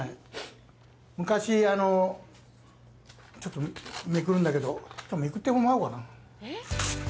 昔、ちょっとめくるんだけど、めくってもらおうかな？